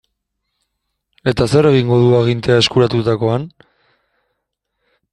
Eta zer egingo du agintea eskuratutakoan?